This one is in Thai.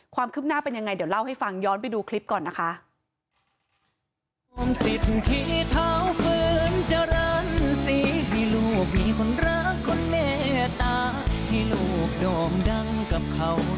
ความคืบหน้าเป็นยังไงเดี๋ยวเล่าให้ฟังย้อนไปดูคลิปก่อนนะคะ